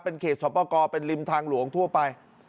เขตสอบประกอบเป็นริมทางหลวงทั่วไป